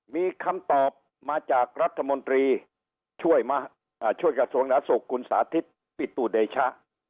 มีคำตอบมาจากรัฐมนตรีช่วยกระทรวงหนาสุขคุณสาธิตปิตุเดชะ